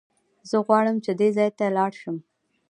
زه غواړم چې دې ځای ته لاړ شم.